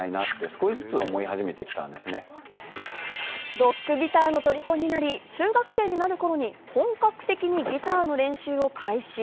ロックギターの虜になり、中学生になる頃に本格的にギターの練習を開始。